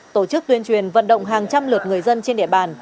tổ chức tuyên truyền vận động hàng trăm lượt người dân trên địa bàn